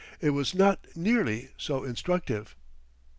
It was not nearly so instructive."